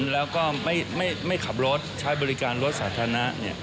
แล้วก็ไม่ขับรถใช้บริการรถสาธารณะ